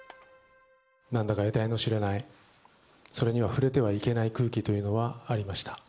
なんだかえたいの知れない、それには触れてはいけない空気というのはありました。